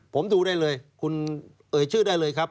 ผมดูได้เลยคุณเอ่ยชื่อได้เลยครับ